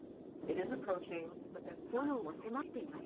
炎は迫っています。